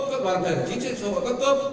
các đoàn thể chính trị xã hội các cấp